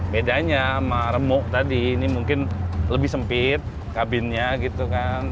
bedanya sama remuk tadi ini mungkin lebih sempit kabinnya gitu kan